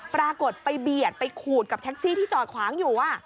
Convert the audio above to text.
ปรากฏไปเบียดไปขูดกับแท็กซี่ที่จอดขวางอยู่